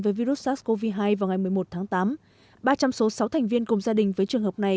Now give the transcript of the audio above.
với virus sars cov hai vào ngày một mươi một tháng tám ba trăm linh số sáu thành viên cùng gia đình với trường hợp này